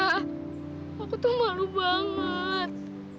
aku tuh malu banget